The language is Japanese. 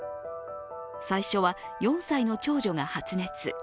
最初は４歳の長女が発熱。